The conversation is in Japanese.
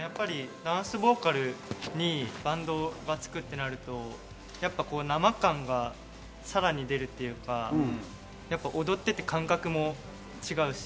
ダンスボーカルにバンドが付くってなると生感がさらに出るというか、踊っていて感覚も違うし。